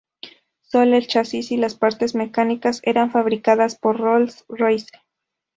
Solo el chasis y las partes mecánicas eran fabricadas por Rolls-Royce.